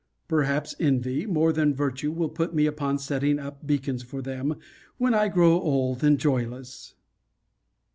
Perhaps envy, more than virtue, will put me upon setting up beacons for them, when I grow old and joyless.